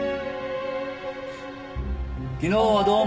昨日はどうも。